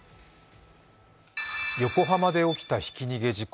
横浜で起きたひき逃げ事故。